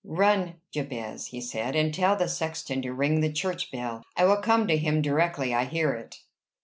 "Run, Jabez," he said, "and tell the sexton to ring the church bell. I will come to him directly I hear it."